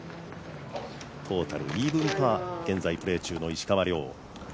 トータルイーブンパー、現在プレー中の石川遼。